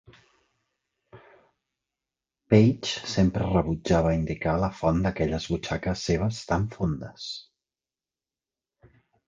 Page sempre rebutjava indicar la font d'aquelles butxaques seves "tan fondes".